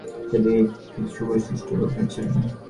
তিনি কোনও আগ্রহই নেননি, অথচ সেদিকে কিছু বিশিষ্ট পূর্বপুরুষ ছিলেন।